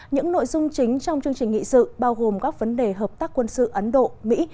những nội dung chính trong chương trình nghị sự bao gồm các vấn đề hợp tác quân sự ấn độ mỹ